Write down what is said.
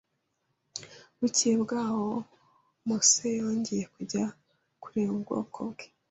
Bukeye bwaho Mose yongeye kujya kureba ubwoko bwe